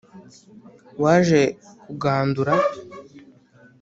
Waje kugandura,